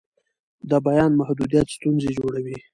د بیان محدودیت ستونزې جوړوي